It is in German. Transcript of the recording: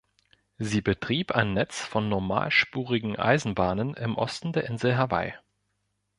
Sie betrieb ein Netz von normalspurigen Eisenbahnen im Osten der Insel Hawaii.